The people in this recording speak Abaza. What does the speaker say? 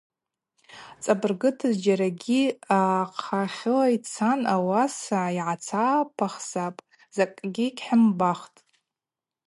Цӏабыргыта, зджьакӏгьи ахъахьыла йцан, ауаса йгӏацапахзапӏ – закӏгьи гьхӏымбахтӏ.